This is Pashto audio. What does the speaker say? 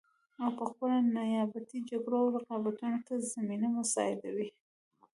او پخپله نیابتي جګړو او رقابتونو ته زمینه مساعدوي